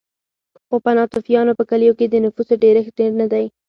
خو په ناتوفیانو په کلیو کې د نفوسو ډېرښت ډېر نه دی